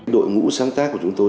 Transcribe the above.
đội ngũ sáng tác của chúng tôi